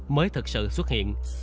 mới thực sự xuất hiện